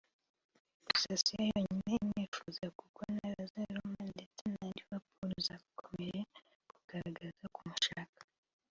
Gusa si yo yonyine imwifuza kuko na Lazio Roma ndetse na Liverpool zakomeje kugaragaza kumushaka